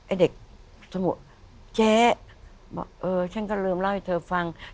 ไอ้เด็กสมุดเจ๊บอกเออฉันก็ลืมเล่าให้เธอฟัง